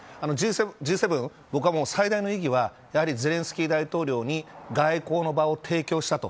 Ｇ７、僕は最大の意義はゼレンスキー大統領に外交の場を提供したと。